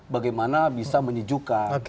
bagaimana bisa menyejukkan